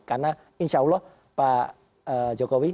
karena insya allah pak jokowi